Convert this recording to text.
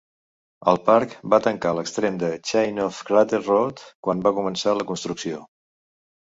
El parc va tancar l'extrem de Chain of Craters Road quan va començar la construcció.